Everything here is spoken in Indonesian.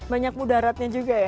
banyak mudaratnya juga ya